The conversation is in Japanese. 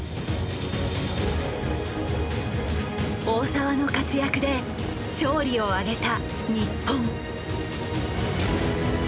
大澤の活躍で勝利を挙げた日本。